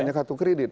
hanya kartu kredit